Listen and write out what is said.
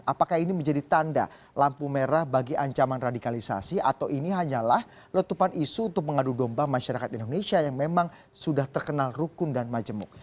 apakah ini menjadi tanda lampu merah bagi ancaman radikalisasi atau ini hanyalah letupan isu untuk mengadu domba masyarakat indonesia yang memang sudah terkenal rukun dan majemuk